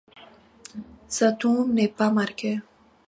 Sa tombe n'est pas marquée.